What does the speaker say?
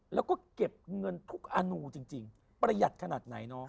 แล้วก็เก็บเงินทุกอนูจริงประหยัดขนาดไหนน้อง